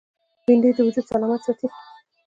بېنډۍ د وجود سلامت ساتي